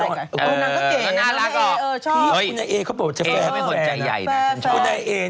โดนนังก็เก่ง